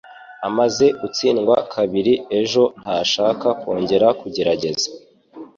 Amaze gutsindwa kabiri ejo ntashaka kongera kugerageza